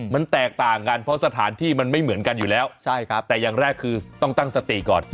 มันแตกต่างกันเพราะสถานที่มันไม่เหมือนกันอยู่แล้วแต่อย่างแรกคือต้องตั้งสติก่อน